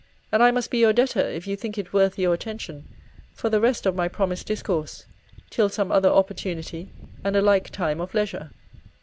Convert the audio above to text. And I must be your debtor, if you think it worth your attention, for the rest of my promised discourse, till some other opportunity, and a like time of leisure.